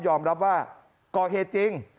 อมรับว่าก่อเหตุจริง